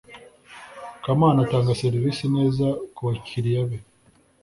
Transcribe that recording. kamana atanga serivisi neza ku bakiliya be